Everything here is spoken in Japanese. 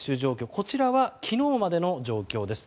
こちらは昨日までの状況です。